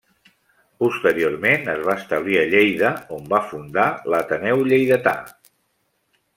Posteriorment es va establir a Lleida, on va fundar l'Ateneu Lleidatà.